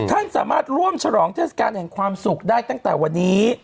ท่านสามารถร่วมฉลองเทศกาลแห่งความสุขได้ตั้งแต่วันนี้